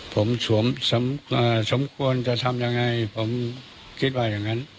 ผมสมควรจะทำยังไงผมคิดว่าอย่างนั้น